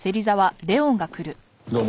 どうも。